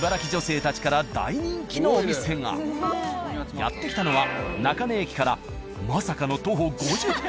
やって来たのは中根駅からまさかの徒歩５０分。